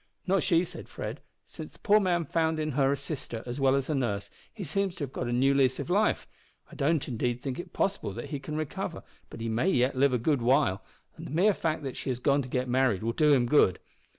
"Not she," said Fred; "since the poor man found in her a sister as well as a nurse he seems to have got a new lease of life. I don't, indeed, think it possible that he can recover, but he may yet live a good while; and the mere fact that she has gone to get married will do him good."